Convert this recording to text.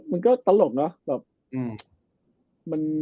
มันก็ตลกเนอะ